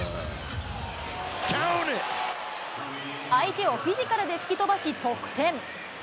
相手をフィジカルで吹き飛ばし、得点。